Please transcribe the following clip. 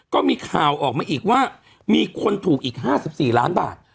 ก็มีข่าวออกมาอีกว่ามีคนถูกอีก๕๔ล้านบาท